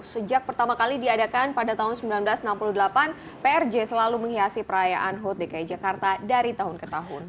sejak pertama kali diadakan pada tahun seribu sembilan ratus enam puluh delapan prj selalu menghiasi perayaan hut dki jakarta dari tahun ke tahun